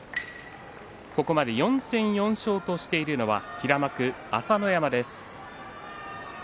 ここまで４戦４勝としているのは平幕、朝乃山です。